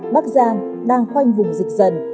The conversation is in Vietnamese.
bác giang đang khoanh vùng dịch dần